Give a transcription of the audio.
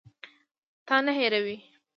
تا نه هېروي.